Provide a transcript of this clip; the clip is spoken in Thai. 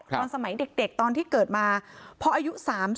ตอนสมัยเด็กตอนที่เกิดมาพออายุ๓๐